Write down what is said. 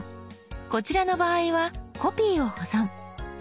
こちらの場合は「コピーを保存」。